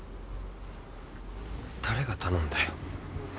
誰が頼んだよ？